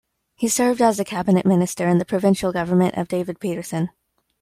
He served as a cabinet minister in the provincial government of David Peterson.